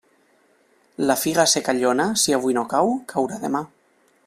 La figa secallona, si avui no cau, caurà demà.